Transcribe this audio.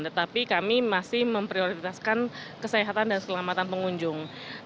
tetapi kami masih memprioritaskan kesehatan dan selamatan pengunjung